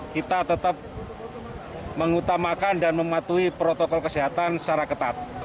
kita tetap mengutamakan dan mematuhi protokol kesehatan secara ketat